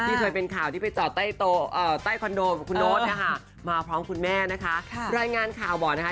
ที่เคยเป็นข่าวที่ไปจอดใต้โต๊ะอ่่อใต้คอนโดคือคุณโน๊ตนะคะ